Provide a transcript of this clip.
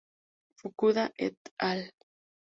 Fukuda "et al.